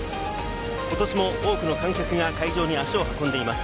ことしも多くの観客が会場に足を運んでいます。